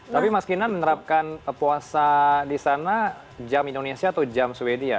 tapi mas kinan menerapkan puasa di sana jam indonesia atau jam sweden